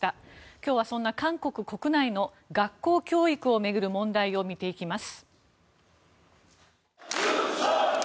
今日はそんな韓国国内の学校教育を巡る問題を見ていきます。